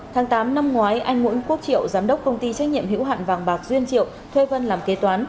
tháng tám năm ngoái anh nguộn quốc triệu giám đốc công ty trách nhiệm hữu hạn vàng bạc duyên triệu